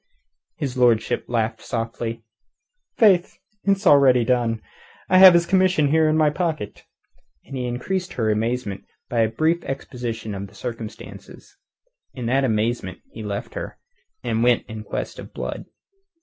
His lordship laughed softly. "Faith, it's done already. I have his commission in my pocket." And he increased her amazement by a brief exposition of the circumstances. In that amazement he left her, and went in quest of Blood.